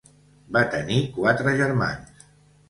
Va tenir quatre germans.